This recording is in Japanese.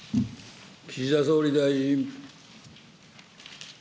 岸田総理大臣。